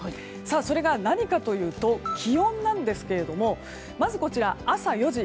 それが何かというと気温なんですがまず、朝４時。